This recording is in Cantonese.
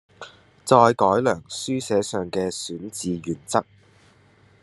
再改良書寫上嘅選字原則